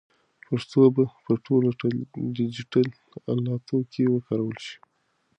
پښتو به په ټولو ډیجیټلي الاتو کې وکارول شي.